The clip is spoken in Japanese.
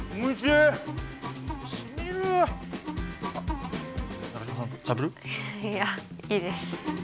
いいやいいです。